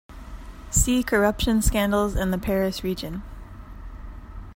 See corruption scandals in the Paris region.